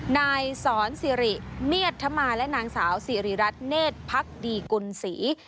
นายสอนสิริเมียดธมาและนางสาวสิริรัตนเนธพักดีกุลศรี